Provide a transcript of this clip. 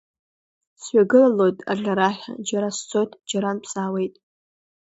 Сҩагылалоит аӷьараҳәа, џьара сцоит, џьарантә саауеит.